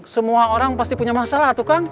semua orang pasti punya masalah tuh kang